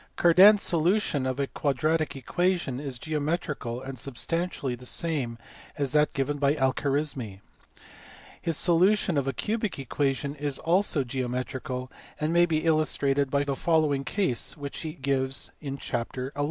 Cardan s solution of a quadratic equation is geometrical and substantially the same as that given by Alkarismi (see above, p. 163). His solution of a cubic equation is also geo metrical, and may be illustrated by the following case which he gives in chapter xi.